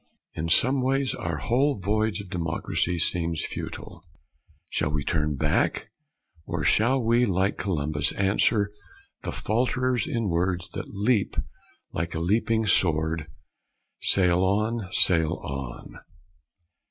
In some ways our whole voyage of democracy seems futile. Shall we turn back, or shall we, like Columbus, answer the falterers in words that leap like a leaping sword; "Sail on, sail on"?